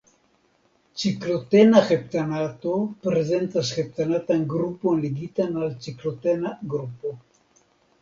Ciklotena heptanato prezentas heptanatan grupon ligitan al ciklotena grupo.